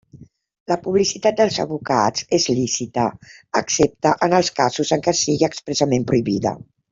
La publicitat dels advocats és lícita, excepte en els casos en què sigui expressament prohibida.